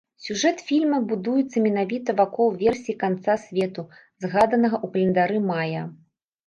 Сюжэт фільма будуецца менавіта вакол версіі канца свету, згаданага ў календары майя.